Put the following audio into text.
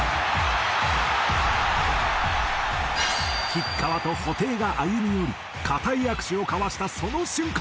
吉川と布袋が歩み寄り固い握手を交わしたその瞬間